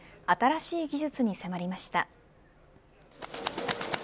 新しい技術に迫りました。